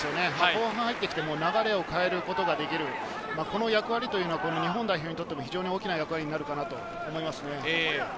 後半入ってきて流れを変えることができる、この役割というのは日本代表にとっては非常に大きな役割になるかなと思います。